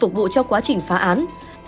xác minh phục vụ cho quá trình phá án